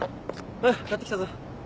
はい買ってきたぞ。